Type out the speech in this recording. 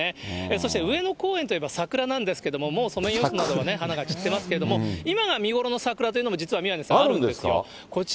そして上野公園といえば桜なんですけれども、もうソメイヨシノなどはね、花が散ってますけれども、今が見頃の桜というのも実は宮根さん、あるんですよ。